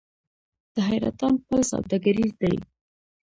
د حیرتان پل سوداګریز دی